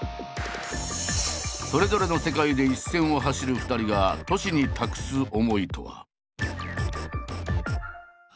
それぞれの世界で一線を走る２人が都市に託す思いとは。